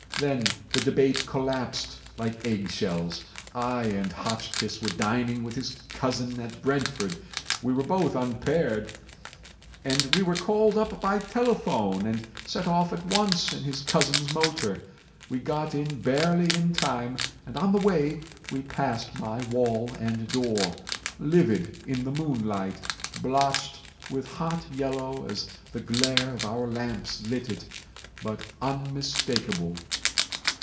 Then the debate collapsed like eggshells. I and Hotchkiss were dining with his cousin at Brentford, we were both unpaired, and we were called up by telephone, and set off at once in his cousin's motor. We got in barely in time, and on the way we passed my wall and door—livid in the moonlight, blotched with hot yellow as the glare of our lamps lit it, but unmistakable.